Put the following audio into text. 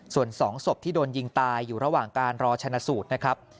ส่วน๒ศพที่โดนยิงตายอยู่ระหว่างการรอชนะสูตรนะครับ